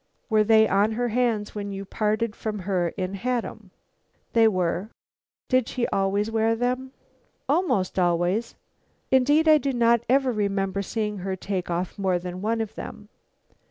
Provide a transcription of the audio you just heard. "Were they on her hands when you parted from her in Haddam?" "They were." "Did she always wear them?" "Almost always. Indeed I do not ever remember seeing her take off more than one of them."